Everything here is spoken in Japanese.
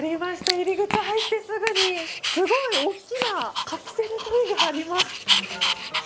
入り口、入ってすぐにすごく大きなカプセルトイがあります。